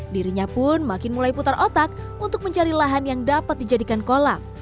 dirinya pun makin mulai putar otak untuk mencari lahan yang dapat dijadikan kolam